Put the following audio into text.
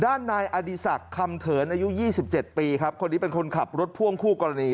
ด้านนายอดีศักดิ์คำเถินอายุ๒๗ปีครับคนนี้เป็นคนขับรถพ่วงคู่กรณี